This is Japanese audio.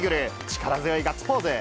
力強いガッツポーズ。